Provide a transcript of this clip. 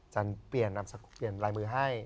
เปลี่ยนนามสกุลเปลี่ยนลายมือให้